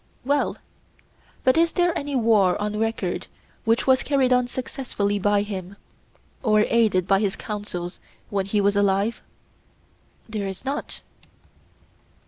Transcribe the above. Well, but is there any war on record which was carried on successfully by him, or aided by his counsels, when he was alive? There is not.